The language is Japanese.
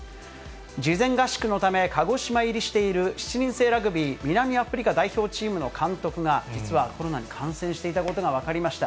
事前合宿のため、鹿児島入りしている７人制ラグビー南アフリカ代表チームの監督が、実はコロナに感染していたことが分かりました。